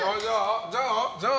じゃあ？